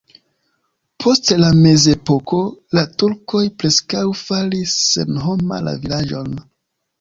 Post la mezepoko la turkoj preskaŭ faris senhoma la vilaĝon.